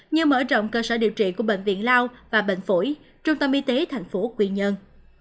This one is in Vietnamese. như mở rộng cơ sở điều trị của bệnh viện lao và bệnh phủy trung tâm y tế thành phủ quy nhân